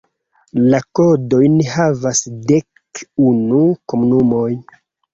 La kodojn havas dek unu komunumoj.